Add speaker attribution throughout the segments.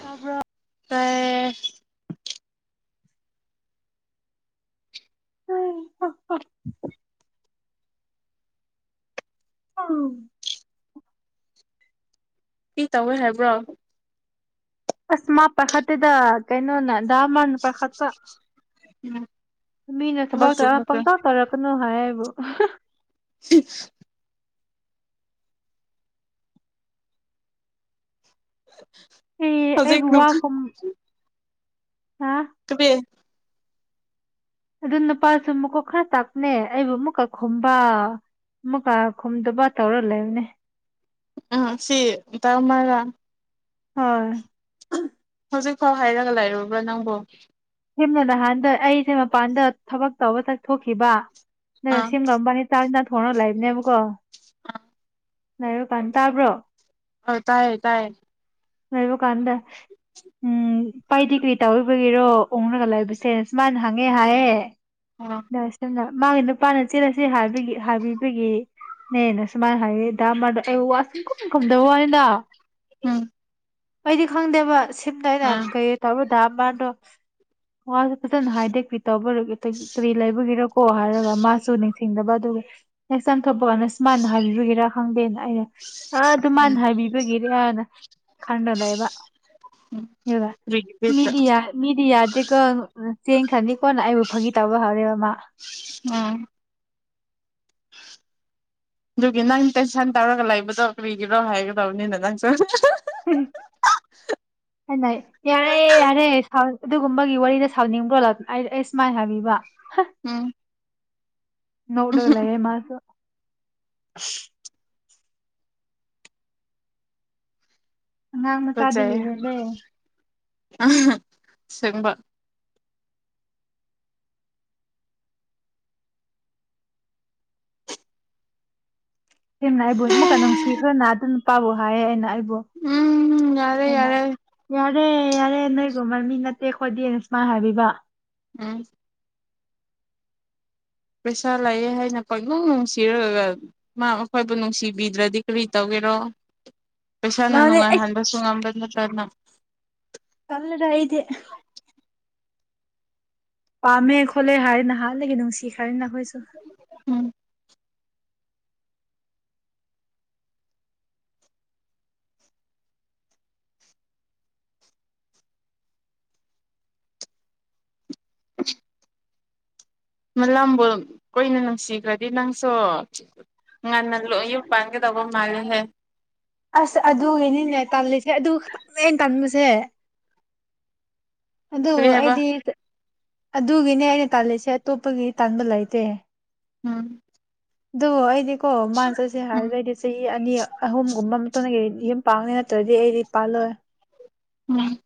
Speaker 1: ꯇꯥꯕ
Speaker 2: ꯄ
Speaker 1: [unintelligible] ꯎꯝ
Speaker 2: ꯁꯤ ꯇꯧꯋꯦ ꯍꯥꯏꯕ꯭ꯔꯣ
Speaker 1: ꯑꯁ ꯃꯥ ꯄꯈꯠꯇꯗ ꯀꯩꯅꯣꯅ ꯗꯥꯥꯃ ꯄꯈꯠꯇ
Speaker 2: ꯎꯝ
Speaker 1: ꯃꯤꯅ ꯊꯕ
Speaker 2: ꯊꯕꯛ
Speaker 1: ꯇ꯭ꯔꯥ
Speaker 2: ꯆꯤꯟꯕꯒꯤ
Speaker 1: ꯄꯪꯒꯥꯥ ꯇꯔꯛ ꯀꯅ ꯍꯥꯏꯕꯨ
Speaker 2: [inaudible]
Speaker 1: ꯑꯦ
Speaker 2: ꯍꯧꯖꯤꯛ
Speaker 1: ꯑꯩꯕꯨ ꯋꯥ ꯀꯨꯝ
Speaker 2: ꯀꯕꯤ
Speaker 1: ꯑꯗꯨ ꯅꯨꯄꯥꯁꯨ ꯃꯀꯣꯛ ꯈꯔ ꯆꯥꯛꯅꯦ ꯑꯩꯕꯨ ꯑꯃꯨꯛꯀ ꯈꯨꯝꯕ ꯑꯃꯨꯛꯀ ꯈꯨꯝꯗꯕ ꯇꯧꯔ ꯂꯩꯕꯅꯦ
Speaker 2: ꯎꯝ ꯁꯤ ꯇꯃꯒ
Speaker 1: ꯍꯣꯏ
Speaker 2: ꯍꯧꯖꯤꯛ ꯐꯥꯎ ꯍꯥꯏꯔꯒ ꯂꯩꯔꯨꯕ꯭ꯔꯥ ꯅꯪꯕꯨ
Speaker 1: ꯌꯨꯝꯅ ꯅꯍꯥꯟꯗ ꯑꯩꯁꯦ ꯃꯄꯥꯟꯗ ꯊꯕꯛ ꯇꯧꯕ ꯆꯠꯊꯣꯛꯈꯤꯕ ꯅ
Speaker 2: ꯑꯥ
Speaker 1: ꯁꯤꯝꯒ ꯑꯃꯝꯕ ꯍ ꯇꯥꯖꯅ [unintelligible] ꯐꯣꯟ ꯂ ꯂꯩꯒꯅꯤꯅꯦ ꯑꯃꯛ ꯀꯣ [unintelligible]
Speaker 2: ꯑ
Speaker 1: ꯂꯥꯏꯔꯑꯣ ꯄꯥꯟ ꯇꯥꯕ꯭ꯔꯣ
Speaker 2: ꯑꯥ ꯇꯥꯏꯌꯦ ꯇꯥꯏꯌꯦ
Speaker 1: ꯂꯩꯕ ꯀꯥꯟꯗ ꯎꯝ ꯄꯥꯏꯗꯤ ꯀꯔꯤ ꯇꯧꯕꯒꯤꯔꯣ ꯎꯨꯡꯑꯒ ꯂꯩꯕꯁꯦ ꯁꯨꯃꯥꯏꯅ ꯍꯪꯉꯦ ꯍꯥꯏꯌꯦ
Speaker 2: ꯑꯣ
Speaker 1: ꯗꯁꯒ [unintelligible] ꯃꯥꯒꯤ ꯅꯨꯄꯥꯅ ꯆꯦꯜꯂꯁꯤ ꯍꯥꯏꯕꯒꯤ ꯍꯥꯏꯕꯤꯕꯒꯤꯅꯦꯅ ꯁꯨꯃꯥꯏꯅ ꯍꯥꯏꯌ‌ꯦ ꯗꯥ ꯑꯃꯔꯗꫭ ꯑꯩꯋꯥ ꯁꯨꯝ ꯈꯨꯝ ꯈꯨꯝꯗꯕ ꯋꯥꯅꯤꯗ
Speaker 2: ꯎꯝ
Speaker 1: ꯑꯩꯗꯤ ꯈꯪꯗꯦꯕ ꯊ
Speaker 2: ꯎꯝ
Speaker 1: ꯀꯩꯌꯦ ꯇ [unintelligible] [unintelligible] ꯋꯥꯁꯨ ꯐꯖꯅ ꯍꯥꯏꯗꯦ ꯀꯔꯤ ꯇꯧꯕ ꯀꯔꯤ ꯂꯩꯕꯒꯤꯔ ꯀꯣ ꯍꯥꯏꯔꯒ ꯃꯥꯁꯨ ꯅꯤꯡꯁꯤꯡꯗꯕ ꯑꯗꯨꯒ ꯅꯦꯛꯁ ꯇꯥꯏꯝ ꯊꯣꯛꯄ ꯀꯥꯟꯗ ꯁꯨꯃꯥꯏꯅ ꯍꯥꯏꯕꯤꯕꯒꯤꯔꯥ ꯈꯪꯗꯦꯅ ꯑꯩꯅ [unintelligible] ꯑ ꯑꯗꯨ ꯃꯥꯏꯅ ꯍꯥꯏꯕꯤꯕꯒꯤꯅ ꯗ [unintelligible] ꯈꯗ ꯂꯩꯕ
Speaker 2: ꯀꯔꯤꯒꯤ ꯕꯤꯠꯇ
Speaker 1: ꯃꯤꯗꯤꯌꯥ ꯃꯤꯗꯤꯌꯥꯗ‌ꯦꯀꫭ ꯆꯦꯡ ꯈꯟꯅꯤꯀꯣꯟꯅ ꯑꯩꯕꯨ ꯐꯥꯒꯤ ꯇꯥꯕ ꯍꯧꯔꯦꯕꯃ
Speaker 2: ꯑꯝ ꯑꯗꯨꯒꯤ ꯅꯪ ꯇꯦꯟꯁꯟ ꯇꯧꯔꯒ ꯂꯩꯕꯗꯣ ꯀꯔꯤꯒꯤꯔꯣ ꯍꯥꯏꯒꯗꯕꯅꯤꯅ ꯅꯪ ꯁꯨ
Speaker 1: ꯎꯝ [unintelligible] ꯑꯩꯏꯅ ꯌꯥꯔꯦ ꯌꯥꯔꯦ ꯑꯗꯨꯒꯨꯝꯕꯒꯤ ꯋꯥꯔꯤꯗ ꯁꯥꯎꯅꯤꯡꯕ꯭ꯔꯣ ꯑꯩ ꯁꯨꯃꯥꯏꯅ ꯍꯥꯏꯕꯤꯕ
Speaker 2: ꯎꯝ
Speaker 1: ꯅꫭꯛꯂꯒ ꯂꯩꯌꯦ ꯃꯥꯁꯨ ꯑꯉꯥꯡ ꯃꯆꯥꯗꯒꯤ ꯍꯦꯟꯂꯦ
Speaker 2: ꯑꯁ‌ꯦꯡꯕ
Speaker 1: ꯁ‌ꯦꯡꯅ ꯑꯩꯕꯨ ꯑꯃꯨꯛꯀ ꯅꯨꯡꯁꯤꯈꯔꯅ ꯑꯗꯨ ꯅꯨꯄꯥꯕꯨ ꯍꯥꯏꯌꯦ ꯑꯩꯅ ꯑꯩ
Speaker 2: ꯎꯝ ꯌꯥꯔꯦ ꯌꯥꯔꯦ
Speaker 1: ꯌꯥꯔꯦ ꯌꯥꯔꯦ ꯅꯣꯏꯒꯨꯝꯕ ꯃꯤ ꯅꯠꯇꯦ ꯑꯈꯣꯏꯗꯤꯅ ꯁꯨꯃꯥꯏꯅ ꯍꯥꯏꯕꯤꯕ
Speaker 2: ꯎꯝ ꯄꯩꯁꯥ ꯂꯥꯛꯑꯦ ꯍꯥꯏꯅ ꯄꯪꯪꯅꯨꯡ ꯅꯨꯡꯁꯤꯔꯒ ꯃꯥ ꯑꯈꯣꯏꯕꯨ ꯅꯨꯡꯁꯤꯕꯤꯗ꯭ꯔꯗꯤ ꯀꯔꯤ ꯇꯧꯒꯦꯔꯣ ꯄꯩꯁꯥꯅ
Speaker 1: ꯃꯥꯅꯦ
Speaker 2: ꯅꯨꯡꯉꯥꯏꯍꯟꯕꯁꯨ ꯉꯝꯕ ꯅ ꯀꯅꯥ
Speaker 1: ꯀꯟꯅꯗ ꯍꯥꯏꯥꯏꯗꯤꯦ ꯄꯥꯝꯃꯦ ꯈꯣꯠꯂꯦ ꯍꯥꯏꯔ ꯅꯍꯥꯟꯂꯒꯦ ꯅꯨꯡꯁꯤ ꯍꯥꯏꯔꯤꯅ ꯁꯨ
Speaker 2: ꯎꯝ ꯃꯂꯝꯕꯨ ꯀꯨꯏꯅ ꯅꯨꯡꯁꯤꯈ꯭ꯔꯗꯤ ꯅꯪꯁꯨ ꯉꯟꯅ ꯌꯨꯝ ꯄꯥꯟꯒꯗꯧꯕ ꯃꯥꯜꯂꯦꯍꯦ
Speaker 1: ꯑꯁ ꯑꯗꯨꯒꯤꯅꯤꯅꯦ ꯇꯥꯜꯂꯤꯁꯦ ꯑꯗꯨ ꯇꯪꯅꯦ ꯑꯩꯅ ꯇꯃꯁꯦ ꯑꯗꯨ
Speaker 2: ꯀꯔꯤ ꯍꯥꯏꯕ
Speaker 1: ꯑꯩꯗꯤ ꯑꯗꯨꯒꯤꯅꯦ ꯑꯩꯅ ꯇꯥꯜꯂꯤꯁꯦ ꯑꯇꯣꯞꯄꯒꯤ ꯇꯥꯟꯕ ꯂꯩꯇꯦ
Speaker 2: ꯎꯝ
Speaker 1: ꯑꯗꯨꯗꯤ ꯀꯣ ꯃꯥꯅ ꯆꯠꯁꯦ
Speaker 2: ꯎꯝ
Speaker 1: ꯍꯥꯏꯗꯩꯗꯤ ꯆꯍꯤ ꯑꯅꯤ ꯑꯍꯨꯝꯒꯨꯝꯕ ꯑꯃꯇꯒꯤ ꯌꯨꯝ ꯄꯥꯛꯅꯤ ꯅꯠꯇ꯭ꯔꯗꯤ ꯑꯩꯗꯤ ꯄꯥꯜꯂꯣꯏ
Speaker 2: ꯎꯝ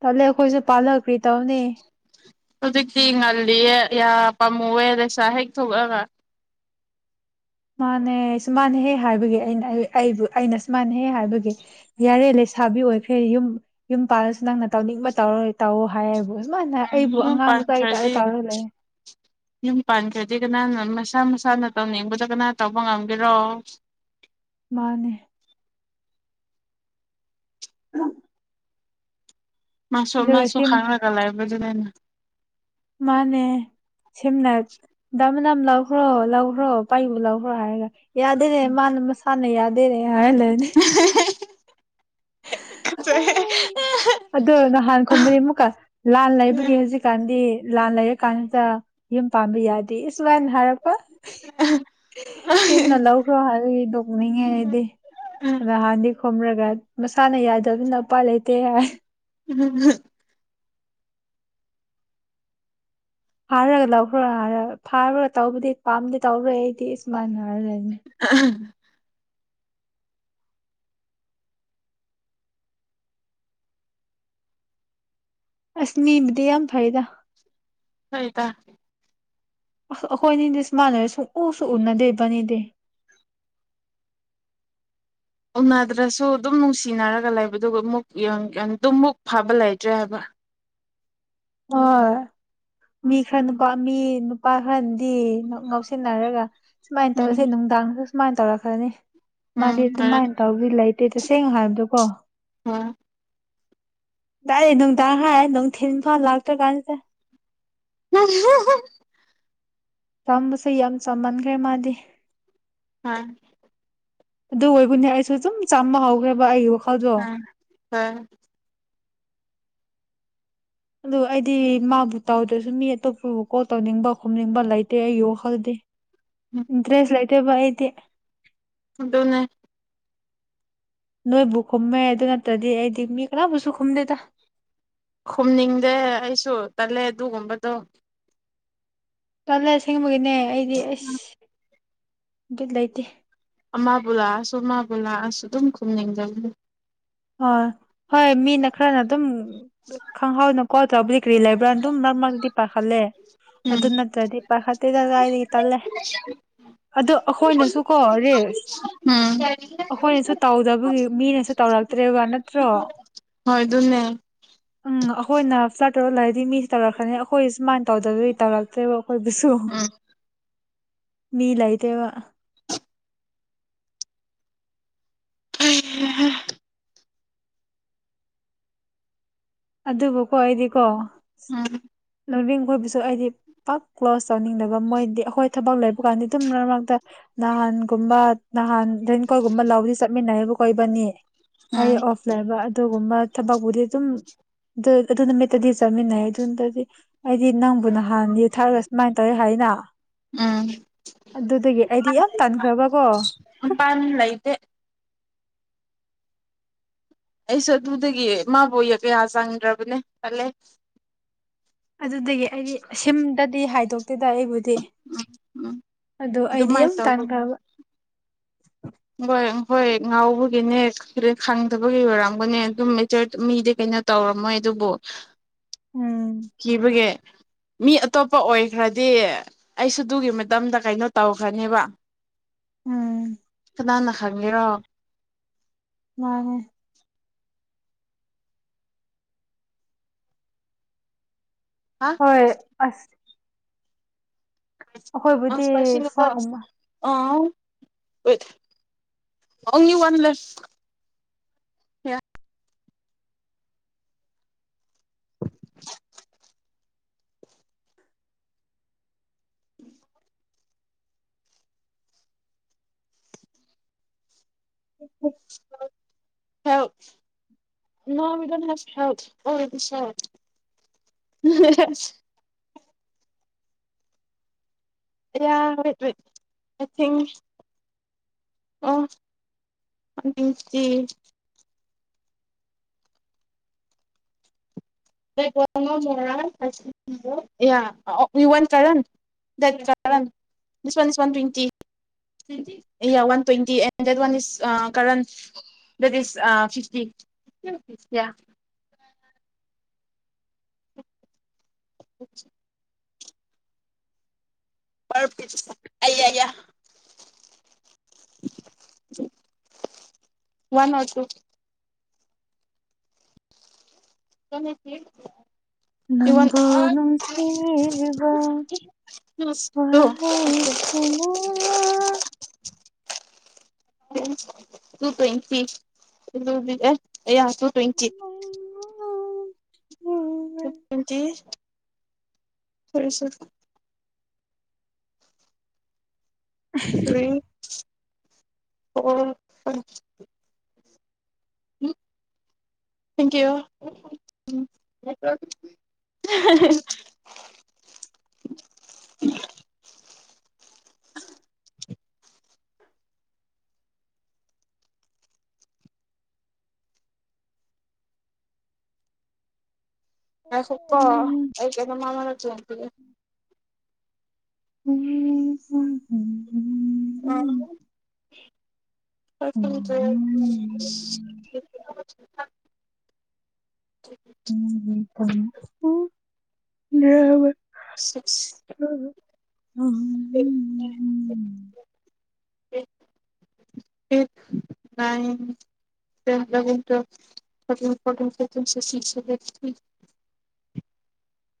Speaker 1: ꯇꯂꯦꯈꯣꯏꯁꯨ ꯄꯜꯛ ꯀꯔꯤ ꯇꯎꯅꯤ
Speaker 2: ꯍꯧꯖꯤꯛꯇꯤ ꯉꯜꯂꯤꯌꯦ ꯌꯥ ꯄꯥꯝꯃꯨꯑꯦ ꯂꯩꯁꯥ ꯍꯦꯛ ꯊꯣꯛꯂꯛꯑꯒ
Speaker 1: ꯃꯥꯅ ꯁꯨꯃꯥꯟꯅꯍꯦ ꯍꯥꯏꯕꯒꯤ ꯑꯩꯅ ꯑꯩꯕꯨ ꯑꯩꯅ ꯁꯨꯃꯥꯟꯅꯍꯦꯛ ꯍꯥꯏꯕꯒꯤ ꯌꯥꯔꯦ ꯂꯩꯁꯥꯕꯤ ꯑꯣꯏꯈ꯭ꯔꯦ ꯌꯨꯝ ꯌꯨꯝ ꯄꯥꯜꯂꯁꯨ ꯅꯪꯅ ꯇꯧꯅꯤꯡꯕ ꯇꯧꯔ ꯇꯧꯑꯣ ꯍꯥꯏꯌꯦꯕꯨ ꯁꯨꯃꯥꯏꯅ
Speaker 2: ꯎꯝ
Speaker 1: ꯑꯩꯕꯨ
Speaker 2: ꯌꯨꯝ
Speaker 1: ꯑꯉꯥꯡ
Speaker 2: ꯄꯥꯟ
Speaker 1: ꯃꯆꯥꯒꯤ ꯇꯥꯏꯞꯇ
Speaker 2: ꯈꯔꯗ
Speaker 1: ꯇꯧꯔ ꯂꯩ
Speaker 2: ꯌꯨꯝ ꯄꯥꯟ ꯈꯔꯗ ꯀꯅꯥꯅ ꯃꯁꯥ ꯃꯁꯥꯅ ꯇꯧꯅꯤꯡꯕꯗꯣ ꯀꯅꯥ ꯇꯧꯕ ꯉꯝꯕꯤꯔꯣ
Speaker 1: ꯃꯥꯅꯦ ꯑ
Speaker 2: ꯃꯥꯁꯨ ꯃꯥꯁꯨ ꯈꯥꯡꯅꯒꯂ ꯖꯗꯅ
Speaker 1: ꯃꯥꯅꯦ ꯁꯦꯝꯅ ꯅ ꯂꯥꯎꯎꯈ꯭ꯔꯣ ꯂꯥꯎꯈ꯭ꯔꯣ ꯄꯥꯏꯕ ꯂꯥꯎꯈ꯭ꯔꯣ ꯍꯥꯏꯔꯦꯒ ꯌꯥꯗꯅꯦ ꯃꯥ ꯃ ꯍꯅ ꯌꯥꯗꯦꯅꯦ ꯌꯥꯌꯥꯔ ꯂꯩꯦꯅꯦ
Speaker 2: [inaudible]
Speaker 1: ꯑꯗꯣ ꯅꯍꯥꯟ ꯈꯣꯕꯅꯤ ꯑꯃꯨꯛꯀ ꯂꯥꯟ ꯂꯩꯕꯒꯤ ꯍꯧꯖꯤꯛꯀꯥꯟꯗꯤ ꯂꯥꯟ ꯂꯩꯔ ꯀꯥꯟꯁꯤꯗ ꯌꯨꯝ ꯄꯥꯝꯕ ꯌꯥꯗꯦ ꯁꯨꯃꯥꯏꯅ ꯍꯥꯏꯔꯛꯄ ꯁꯤꯨꯝꯅ ꯂꯧꯈ꯭ꯔꯣ ꯍꯥꯏꯒꯤ ꯇꯣꯛꯅꯤꯡꯉꯦ ꯍꯥꯏꯗꯤ ꯑꯗ ꯍꯥꯟꯗꯤ ꯈꯣꯝꯔꯒ ꯃꯁꯥꯅ ꯌꯥꯗꯕꯅ ꯎꯄꯥ ꯂꯩꯇꯦ ꯍꯥꯏ
Speaker 2: ꯎꯝ
Speaker 1: ꯐꯥꯔꯒ ꯂꯧꯈ꯭ꯔꯣꯔ ꯐꯥꯔꯨꯔꯒ ꯇꯧꯕꯗꯤ ꯄꯥꯝꯗꯤ ꯇꯧꯔꯣꯏ ꯑꯩꯗꯤ ꯁꯁꯨꯃꯥꯏꯅ
Speaker 2: [inaudible]
Speaker 1: ꯑꯁꯅꯤꯕꯗꯤ ꯌꯥꯝ ꯐꯩꯗ
Speaker 2: ꯍꯣꯏ ꯇ
Speaker 1: ꯑ ꯑꯩꯈꯣꯏ ꯑꯅꯤꯗꯤ ꯁꯃꯥꯟꯅꯔ ꯁꯨꯡ ꯎꯁꯨ ꯎꯅꯗꯦꯕꯅꯤꯗꯤ
Speaker 2: ꯎꯅꯗ꯭ꯔꯁꯨ ꯑꯗꯨꯝ ꯅꯨꯡꯁꯤꯅꯔꯒ ꯂꯩꯕ ꯑꯗꯨꯒ ꯑꯃꯨꯛ ꯑꯗꯨꯝꯃꯨꯛ ꯐꯕ ꯂꯩꯇ꯭ꯔꯦ ꯍꯥꯏꯕ
Speaker 1: ꯍꯣꯏ ꯃꯤ ꯈꯔ ꯅꯨꯄꯥ ꯃꯤ ꯅꯨꯄꯥ ꯈꯔꯅꯗꯤ ꯉꯧꯁꯤꯟꯅꯔꯒ ꯁꯨꯃꯥꯏꯅ ꯇꯧꯔꯁꯦ
Speaker 2: ꯎꯝ
Speaker 1: ꯅꯨꯡꯗꯥꯡ ꯁꯨꯃꯥꯏꯅ ꯇꯧꯔꯛꯈ꯭ꯔꯅꯤ ꯃ
Speaker 2: ꯎꯝ
Speaker 1: ꯑꯗꯨꯃꯥꯏꯟ ꯇ ꯍꯧꯂ ꯑꯗꯨ ꯇꯁꯦꯡꯅ ꯍꯥꯏꯕꯗꯣ ꯀꯣ
Speaker 2: ꯎꯝ
Speaker 1: ꯦ ꯅꯨꯡꯗꯥꯡꯈ ꯅꯨꯡꯊꯤꯟ ꯏꯝꯐꯥꯜ ꯂꯥꯛ ꯠꯇ ꯀꯁꯦ
Speaker 2: [unintelligible]
Speaker 1: ꯆꯝꯕꯁꯦ ꯌꯥꯝ ꯆꯃꯟꯈ꯭ꯔꯦ ꯃꯥꯗꯤ
Speaker 2: ꯑꯝ
Speaker 1: ꯑꯗꯨ ꯑꯣꯏꯕꯅꯦ ꯑꯩꯁꯨ ꯑꯗꯨꯝ ꯆꯥꯃ ꯍꯧꯈ꯭ꯔꯦꯕ ꯑꯩ ꯋꯥ
Speaker 2: ꯑꯝ ꯍ
Speaker 1: ꯑꯗꯨ ꯑꯩꯗꯤ ꯃꯥꯕꯨ ꯇꯧꯗ꯭ꯔꯁꯨ ꯃꯤ ꯑꯇꯣꯞꯄꯕꯨ ꯀꯣꯜ ꯇꯧꯅꯤꯡꯕ ꯈꯣꯝꯅꯤꯡꯕ ꯂꯩꯇꯦ ꯑꯩꯒꯤ ꯋꯥꯈꯜꯗꯤ ꯏꯟꯇ꯭ꯔꯦꯁ ꯂꯥꯏ ꯕꯥ ꯏꯗꯤ
Speaker 2: ꯑꯗꯨꯣꯅꯦ
Speaker 1: ꯅꯣꯏꯕꯨ ꯈꯨꯝꯃꯦ ꯑꯗꯨ ꯅꯠꯇ꯭ꯔꯗꯤ ꯑꯩꯗꯤ ꯃꯤ ꯀꯅꯥꯕꯨꯁꯨ ꯈꯨꯝꯗꯦꯗ
Speaker 2: ꯈꯨꯝꯅꯤꯡꯗꯦ ꯑꯩꯁꯨ ꯇꯜꯂꯦ ꯑꯗꯨꯒꯨꯝꯕꯗꯣ
Speaker 1: ꯀꯜꯂ ꯑꯦꯁꯤꯡ ꯅꯦ ꯑꯩꯗꯤ ꯑꯁ ꯒꯤ ꯂꯩꯇꯦ
Speaker 2: ꯑꯃꯕꯨ ꯂꯥꯛꯑꯁꯨ ꯃꯥꯕꯨ ꯂꯥꯛꯑꯁꯨ ꯑꯗꯨꯝ ꯈꯨꯝꯅꯤꯡꯖꯕꯅꯤ
Speaker 1: ꯍꫭꯏ ꯍꯣꯏ ꯃꯤꯅ ꯈꯔꯅ ꯑꯗꯨꯝ ꯈꯪꯍꯥꯎꯅꯕ ꯀꯣ ꯆꯕ ꯀ꯭ꯔꯤ ꯂꯩꯕ꯭ꯔꯥ ꯑꯗꯨꯝ ꯃꯔꯛ ꯃꯔꯛꯇꯤ ꯄꯥꯈꯠꯂꯦ ꯑꯗꯨ
Speaker 2: ꯎꯝ
Speaker 1: ꯅꯠꯇ꯭ꯔꯗꯤ ꯄꯥꯈꯠꯇꯦꯗ ꯀꯗꯥꯥꯏꯗꯒꯤ ꯇꯜꯂꯦ ꯑꯗꯨ ꯑꯩꯈꯣꯏꯅꯁꯨ ꯀꯣ ꯔꯤꯁ
Speaker 2: ꯎꯝ
Speaker 1: ꯑꯩꯈꯣꯏꯅꯁꯨ ꯇꯧꯗꯕꯒꯤ ꯃꯤꯅꯁꯨ ꯇꯧꯔ ꯎ
Speaker 2: ꯍꯣꯏ ꯑꯗꯨꯅꯦ
Speaker 1: ꯑꯩ ꯇꯔꯣ ꯂꯥꯏꯗꯤ ꯃꯤ ꯇꯧꯔꯛꯈ꯭ꯔꯅꯤ ꯑꯩꯈꯣꯏ ꯁꯨꯃꯥꯏꯅ ꯇꯧꯗꯕꯗꯤ ꯇꯧꯔꯛꯇꯦꯕ ꯑꯩꯈꯣꯏꯕꯨꯁꯨ
Speaker 2: ꯎꯝ
Speaker 1: ꯃꯤ ꯂꯥꯏꯇꯕ
Speaker 2: [unintelligible]
Speaker 1: ꯑꯗꯨꯕꯨꯀꯣ ꯑꯩꯗꯤꯀꯣ
Speaker 2: ꯎꯝ
Speaker 1: ꯂꯧꯅꯤꯡ ꯃꯈꯣꯏꯕꯨꯁꯨ ꯑꯩꯗꯤ ꯄꯥꯛ ꯀ꯭ꯂꯣꯁ ꯆꯥꯅꯤꯡꯗꯕ ꯃꯣꯏꯗꯤ ꯑꯩꯈꯣꯏ ꯊꯕꯛ ꯂꯩ ꯀꯥꯟꯗꯤ ꯇꯨꯝ ꯃꯔ ꯃꯔꯛꯇ ꯅꯍꯥꯟꯒꯨꯝꯕ ꯅꯍꯥꯟ ꯑꯗꯨꯩꯅ ꯀꯣꯏꯒꯃ ꯂ ꯂꯧꯥꯎꯗꯤ ꯆꯠꯃꯤꯅꯍꯕꯕꯨ ꯀꯣꯏꯕꯅꯤ ꯑꯩ
Speaker 2: ꯎꯝ
Speaker 1: ꯑꯣꯐ ꯂꯩꯕ ꯑꯗꯨꯒꯨꯝꯕ ꯊꯕꯕꯨꯗꯤꯦ ꯑꯗꯨꯝ ꯑꯗꯨ ꯑꯗꯨ ꯅꯨꯃꯤꯠꯇꯗꯤ ꯆꯠꯃꯤꯟꯅꯩ ꯑꯗꯨꯗꯗꯤ ꯑꯩꯗꯤ ꯅꯪꯕꯨ ꯅꯍꯥꯟ ꯌ ꯊꯥꯔꯒ ꯁꯨꯃꯥꯏꯅ ꯇꯧꯋꯦ ꯍꯥꯏꯅ
Speaker 2: ꯎꯝ
Speaker 1: ꯑꯗꯨꯗꯒꯤ ꯑꯩꯗꯤ ꯌꯥꯝ ꯇꯥꯟꯈ꯭ꯔꯕꯀꯣ
Speaker 2: ꯃꯄꯥꯟ ꯂꯩꯇꯦ ꯑꯩꯁꯨ ꯑꯗꯨꯗꯒꯤ ꯏꯃꯕꯨꯣꯏ ꯀꯌꯥ ꯆꯪꯗ꯭ꯔꯕꯅꯦ ꯆꯠꯂꯦ
Speaker 1: ꯔꯤ ꯍꯥꯏꯗꯣꯛ ꯦꯗ ꯑꯩꯕꯨꯗꯤ
Speaker 2: ꯎꯝ
Speaker 1: ꯑꯗꯣ ꯑꯩꯗꯤ
Speaker 2: ꯑꯗꯨꯃꯥꯏꯅ
Speaker 1: ꯑꯃꯨ
Speaker 2: ꯇꯧꯕ
Speaker 1: ꯇꯥꯟꯈꯕ
Speaker 2: [unintelligible] ꯍꯣꯏ ꯉꯥꯎꯕꯒꯤꯅꯦ ꯈꯪꯗꯕꯒꯤ ꯑꯣꯏꯔꯒꯅꯦ ꯑꯗꯨꯝ ꯃꯇꯔ ꯃꯤꯗꯤ ꯀꯩꯅꯣ ꯇꯧꯔꯝꯃꯣꯏ ꯑꯗꯨꯕꯨ
Speaker 1: ꯎꯝ
Speaker 2: ꯀꯤꯕꯦ ꯃꯤ ꯑꯇꯣꯞꯄ ꯑꯣꯏꯈ꯭ꯔꯗꯤ ꯑꯩꯁꯨ ꯑꯗꯨꯒꯤ ꯃꯇꯝꯗ ꯀꯩꯅꯣ ꯇꯧꯈ꯭ꯔꯅꯦꯕ
Speaker 1: ꯎꯝ
Speaker 2: ꯗꯥꯥꯟꯅ ꯈꯥꯡꯒꯦꯔꯣ
Speaker 1: ꯃꯥꯅꯦ
Speaker 2: ꯍꯥ
Speaker 1: ꯍꯣꯏ ꯑꯁ ꯑꯩꯈꯣꯏꯕꯨꯗꯤ
Speaker 2: ꯑꯁꯄꯥꯁꯤ ꯅ
Speaker 1: ꯐꯣꯟꯒꯨꯝꯕ
Speaker 2: ꯑ ꯑꯅꯤ ꯋꯥꯟ ꯂ
Speaker 1: ꯎꯝ ꯎꯝ
Speaker 2: ꯍꯦꯜꯄ [unintelligible] [unintelligible] [unintelligible] [unintelligible] ꯑꯣ ꯔ ꯗꯋꯦꯟꯤ ꯋꯥꯟ ꯇ꯭ꯋꯦꯟꯇꯤ ꯑꯦ ꯗꯦꯠ ꯋꯥ ꯀꯔ ꯗꯦꯠ ꯐꯤꯇꯤ [inaudible] [unintelligible] [unintelligible] [unintelligible] [unintelligible] ꯀꯅꯤꯁꯤ
Speaker 1: ꯅꯪꯒꯣ ꯅꯨꯡꯁꯤꯕ ꯋꯥꯍꯤ ꯁꯤꯕ
Speaker 2: ꯇꯨ ꯇ꯭ꯋꯦꯟꯇꯤ ꯇꯨ ꯇ꯭ꯋꯦꯟꯇꯤ
Speaker 1: ꯎꯝ
Speaker 2: ꯐꯔꯤꯁꯤ ꯎꯝ ꯑꯣ ꯎ ꯊꯦꯡꯀꯤ ꯌꯌꯨ ꯑ ꯁꯨ ꯀꯣ ꯑꯩ ꯀꯗ ꯃꯥꯃꯅ
Speaker 1: ꯎꯝ
Speaker 2: ꯑꯗ
Speaker 1: ꯇ
Speaker 2: ꯁꯤꯛꯁ [unintelligible]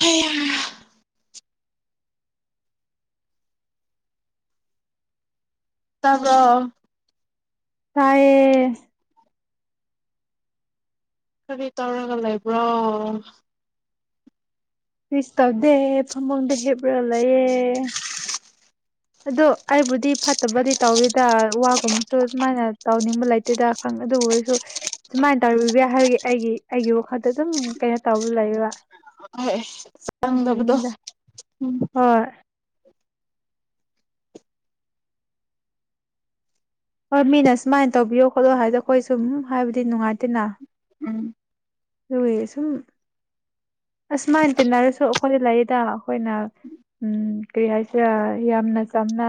Speaker 2: ꯍꯩꯌꯥ ꯇꯥꯕꯔꯣ
Speaker 1: ꯇꯥꯏꯌꯦ
Speaker 2: ꯀꯔꯤ ꯇꯧꯔꯒ ꯂꯩꯕ꯭ꯔꯣ
Speaker 1: ꯁ ꯇꯧꯗꯦ ꯐꯃꯨꯡꯗ ꯍꯤꯞꯄꯔ ꯂꯩꯌꯦ ꯑꯗꯣ ꯑꯩꯕꯨꯗꯤ ꯐꯠꯇꯕꯗꯤ ꯇꯧꯗꯦꯗ ꯋꯥꯒꯨꯝꯕꯁꯨ ꯁꯨꯃꯥꯏꯅ ꯇꯧꯅꯤꯡꯕ ꯂꯩꯇꯦꯗ ꯈꯪ ꯑꯗꯨꯕꯨ ꯑꯣꯏꯔꯁꯨ ꯁꯨꯃꯥꯏꯅ ꯇꯧꯕꯤꯕ ꯌꯥ ꯍꯥꯏꯕꯒꯤ ꯑꯩꯒꯤ ꯑꯩꯒꯤ ꯋꯥꯈꯟꯗ ꯁꯨꯝ ꯀꯩꯅꯣ ꯇꯧꯕ ꯂꯩꯌꯦꯕ
Speaker 2: ꯍꯣꯏ ꯆꯪꯗꯕꯗꯣ
Speaker 1: ꯑꯗꯨꯒꯤꯅꯤꯗ
Speaker 2: ꯎꯝ
Speaker 1: ꯍꯣꯏ ꯍꯣꯏ ꯃꯤꯅ ꯁꯨꯃꯥꯏꯅ ꯇꯧꯕꯤꯌꯣ ꯈꯣꯠꯂꯣ ꯍꯥꯏꯗꯣ ꯑꯩꯈꯣꯏ ꯁꯨꯝ ꯍꯥꯏꯕꯗꯤ ꯅꯨꯡꯉꯥꯏꯇꯦꯅ
Speaker 2: ꯎꯝ
Speaker 1: ꯑꯗꯨꯒꯤ ꯁꯨꯝ ꯑꯁꯨꯃꯥꯏꯅ ꯇꯤꯟꯅꯔꯁꯨ ꯑꯩꯈꯣꯏ ꯂꯩꯗ ꯑꯩꯈꯣꯏꯅ ꯎꯝ ꯀꯔꯤ ꯍꯥꯏꯁꯤꯔ ꯌꯥꯝꯅ ꯆꯝꯅ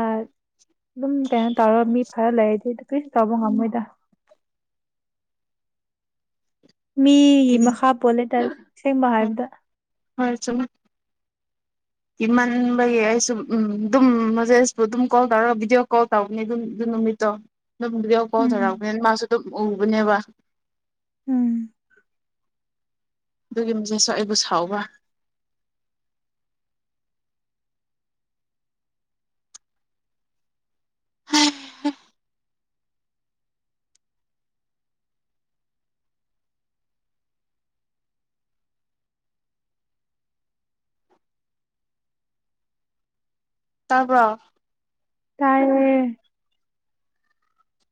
Speaker 1: ꯑꯗꯨꯝ ꯀꯩꯅꯣ ꯇꯧꯔꯒ ꯃꯤ ꯐꯔ ꯂꯩꯔꯗꯤ ꯀꯔꯤꯝ ꯇꯧꯕ ꯉꯝꯃꯣꯏꯗ ꯃꯤꯒꯤ
Speaker 2: ꯍꯣꯏ
Speaker 1: ꯃꯈꯥ ꯄꯣꯜꯂꯦ ꯇꯔ ꯑꯁꯦꯡꯕ ꯍꯥꯏꯕꯗ
Speaker 2: ꯍꯣꯏ ꯆꯨꯝꯃꯦ ꯀꯤꯃꯟꯕꯒꯤ ꯑꯩꯁꯨ ꯎꯝ ꯑꯗꯨꯝ ꯃꯖꯦꯄꯨ ꯑꯗꯨꯝ ꯀꯣꯜ ꯇꯧꯔꯒ ꯚꯤꯗꯤꯑꯣ ꯀꯣꯜ ꯇꯧꯕꯅꯤ ꯑꯗꯨ ꯑꯗꯨ ꯅꯨꯃꯤꯠꯇꯣ ꯅꯪ ꯕꯤꯗꯤꯑꯣ ꯀꯣꯜ
Speaker 1: ꯎꯝ
Speaker 2: ꯇꯧꯔꯛꯑꯕꯅꯤꯅ ꯃꯥꯁꯨ ꯑꯗꯨꯝ ꯎꯕꯅꯦꯕ
Speaker 1: ꯎꯝ
Speaker 2: ꯑꯗꯨꯒꯤ ꯃꯦꯁꯦꯁꯁꯨ ꯑꯩꯕꯨ ꯁꯥꯎꯕ ꯇꯥꯕꯔꯣ
Speaker 1: ꯇꯥꯏꯌꯦ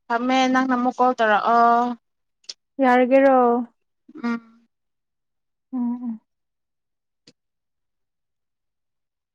Speaker 2: ꯊꯝꯃꯦ ꯅꯪ ꯑꯃꯨꯛ ꯀꯣꯜ ꯇꯧꯔꯛꯑꯣ
Speaker 1: ꯌꯥꯔꯒꯦꯔꯣ
Speaker 2: ꯎꯝ
Speaker 1: ꯎꯝ ꯎꯝ